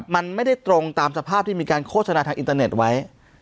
มันไม่ได้ตรงตามสภาพที่มีการโฆษณาทางอินเตอร์เน็ตไว้